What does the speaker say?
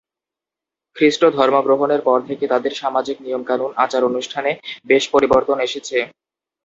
খ্রীষ্ট ধর্ম গ্রহণের পর থেকে তাদের সামাজিক নিয়ম-কানুন, আচার-অনুষ্ঠানে বেশ পরিবর্তন এসেছে।